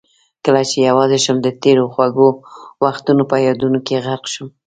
کله چې یوازې شم د تېرو خوږو وختونه په یادونو کې غرق شم.